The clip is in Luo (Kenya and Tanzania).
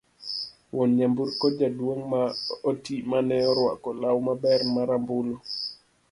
wuon nyamburko, jaduong' ma oti mane orwako law maber ma rambulu